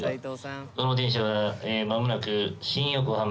この電車は間もなく新横浜。